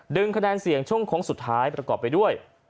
คะแนนเสี่ยงช่วงโค้งสุดท้ายประกอบไปด้วย